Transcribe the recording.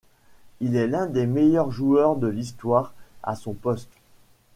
Il est l'un des meilleurs joueurs de l'histoire à son poste.